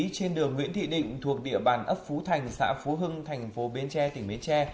trên đường nguyễn thị định thuộc địa bàn ấp phú thành xã phú hưng thành phố bến tre tỉnh bến tre